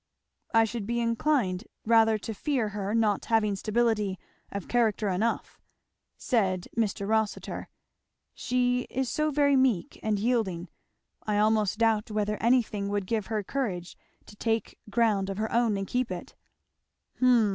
"I should be inclined rather to fear her not having stability of character enough," said Mr. Rossitur. "She is so very meek and yielding, I almost doubt whether anything would give her courage to take ground of her own and keep it."